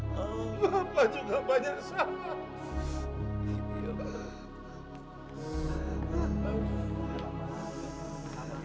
bapak juga banyak salah